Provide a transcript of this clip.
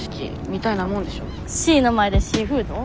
シーの前でシーフード？